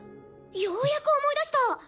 ようやく思い出した！